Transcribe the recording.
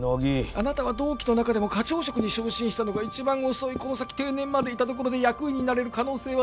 「あなたは同期の中でも課長職に昇進したのが一番遅い」「この先定年までいたところで役員になれる可能性はゼロ」